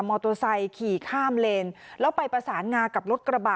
โตไซค์ขี่ข้ามเลนแล้วไปประสานงากับรถกระบะ